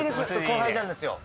後輩なんですよ